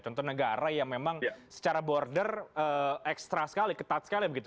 contoh negara yang memang secara border ekstra sekali ketat sekali begitu